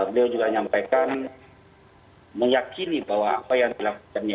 beliau juga menyampaikan meyakini bahwa apa yang dilakukannya